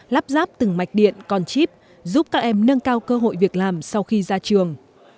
lắp ráp từng mạch điện con chip giúp các em nâng cao cơ hội việc làm sau khi ra trường